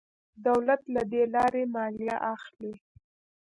دولت له دې لارې مالیه اخلي.